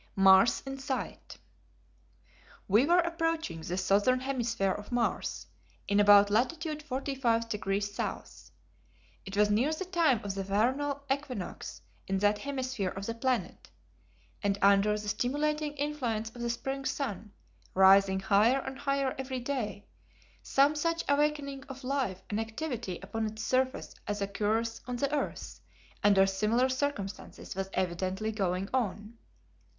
Mars in Sight. We were approaching the southern hemisphere of Mars in about latitude 45 degrees south. It was near the time of the vernal equinox in that hemisphere of the planet, and under the stimulating influence of the Spring sun, rising higher and higher every day, some such awakening of life and activity upon its surface as occurs on the earth under similar circumstances was evidently going on.